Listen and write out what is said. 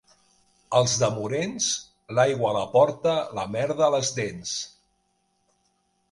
Els de Morens, l'aigua a la porta, la merda a les dents.